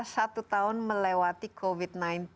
satu tahun melewati covid sembilan belas